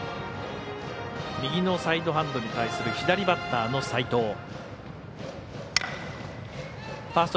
右のサイドハンドに対する左バッターの齋藤。